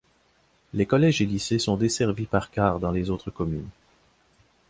Les collèges et lycées sont desservis par cars dans les autres communes.